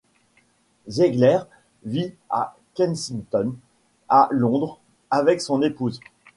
Ziegler vit à Kensington, à Londres, avec son épouse.